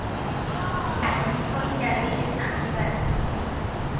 Ha'émiko ijarýi resa'ỹiva'ekue